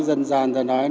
dân gian ta nói